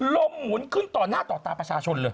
หมุนขึ้นต่อหน้าต่อตาประชาชนเลย